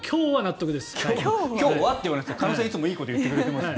今日はと言わなくても鹿野さんは、いつもいいこと言ってくれてますよ。